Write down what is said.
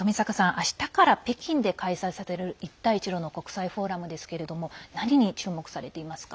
明日から北京で開催される一帯一路の国際フォーラムですが何に注目されていますか？